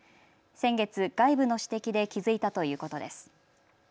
先月、外部の指摘で気付いたということです。